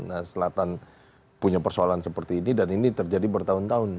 nah selatan punya persoalan seperti ini dan ini terjadi bertahun tahun